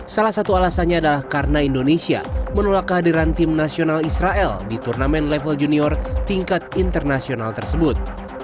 salah satu alasannya adalah karena indonesia menolak kehadiran tim nasional israel di turnamen level junior tingkat internasional tersebut